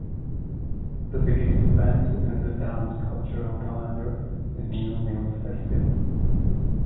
The biggest event in the town's cultural calendar is New Mills Festival.